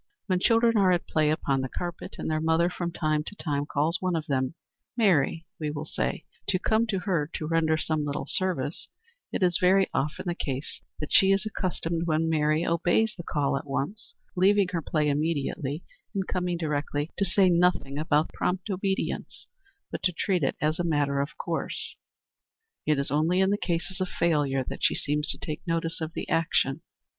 When children are at play upon the carpet, and their mother from time to time calls one of them Mary, we will say to come to her to render some little service, it is very often the case that she is accustomed, when Mary obeys the call at once, leaving her play immediately and coming directly, to say nothing about the prompt obedience, but to treat it as a matter of course. It is only in the cases of failure that she seems to notice the action.